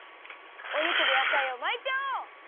お肉でやさいをまいちゃおう！